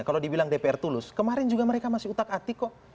kalau dibilang dpr tulus kemarin juga mereka masih utak atik kok